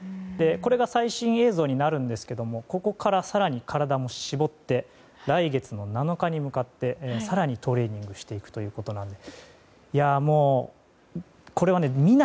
これが最新映像になるんですがここから更に体も絞って来月の７日に向かって更にトレーニングしていくということなので。